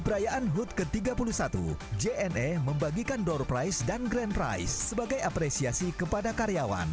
perayaan hud ke tiga puluh satu jne membagikan door price dan grand price sebagai apresiasi kepada karyawan